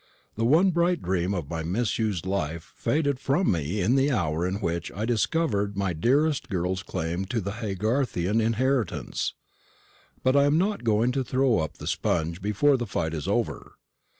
The one bright dream of my misused life faded from me in the hour in which I discovered my dearest girl's claim to the Haygarthian inheritance. But I am not going to throw up the sponge before the fight is over.